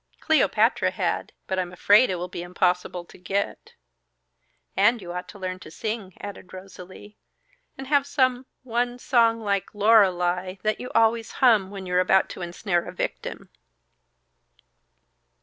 "Cleopatra had; but I'm afraid it will be impossible to get." "And you ought to learn to sing," added Rosalie, "and have some one song like the 'Lorelei!' that you always hum when you're about to ensnare a victim."